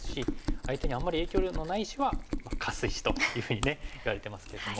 相手にあんまり影響力のない石はカス石というふうにねいわれてますけども。